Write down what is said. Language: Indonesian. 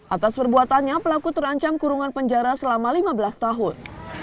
atas perbuatannya pelaku terancam kurungan penjara selama lima belas tahun